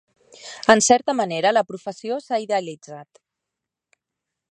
En certa manera, la professió s'ha idealitzat.